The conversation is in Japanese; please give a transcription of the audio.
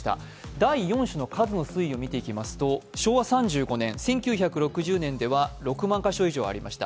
第４種の数の推移を見ていきますと昭和３５年、１９６０年では６万カ所以上ありました。